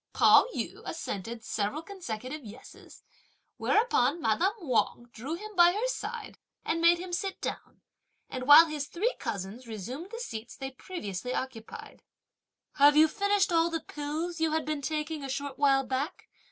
Pao yü assented several consecutive yes's; whereupon madame Wang drew him by her side and made him sit down, and while his three cousins resumed the seats they previously occupied: "Have you finished all the pills you had been taking a short while back?"